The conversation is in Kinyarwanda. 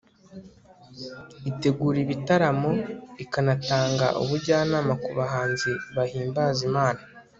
itegura ibitaramo, ikanatanga ubujyanama ku bahanzi bahimbaza imana